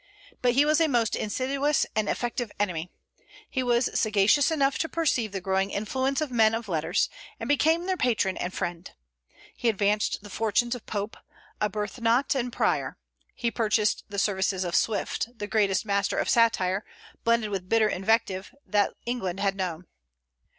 But he was a most insidious and effective enemy. He was sagacious enough to perceive the growing influence of men of letters, and became their patron and friend. He advanced the fortunes of Pope, Arbuthnot, and Prior. He purchased the services of Swift, the greatest master of satire blended with bitter invective that England had known.